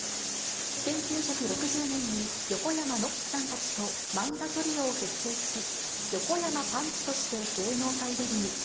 １９６０年に横山ノックさんたちと漫画トリオを結成し、横山パンチとして芸能界デビュー。